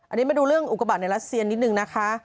อันนี้มาดูเรื่องอุกบาทในรัสเซียนิดนึงนะคะ